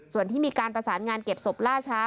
ส่วนที่มีการประสานงานเก็บศพล่าช้า